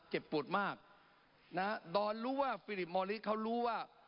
เจ็บปวดมากนะฮะดอนรู้ว่าฟิลิปมอลิสเขารู้ว่า